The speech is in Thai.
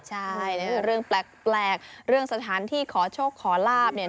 ใช่เรื่องแปลกเรื่องสถานที่ขอโชคขอลาบ